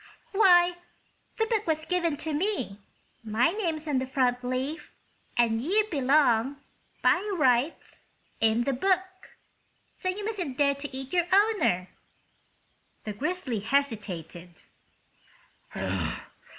"Why, the book was given to me; my name's on the front leaf. And you belong, by rights, in the book. So you mustn't dare to eat your owner!" The Grizzly hesitated.